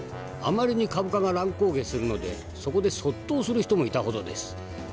あまりに株価が乱高下するのでそこで卒倒する人もいたほどです。